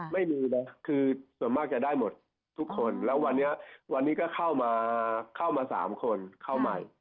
ไม่มีนะคือส่วนมากจะได้หมดทุกคนแล้ววันนี้วันนี้ก็เข้ามาเข้ามา๓คนเข้าใหม่